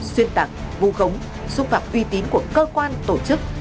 xuyên tạng vu gống xúc phạm uy tín của cơ quan tổ chức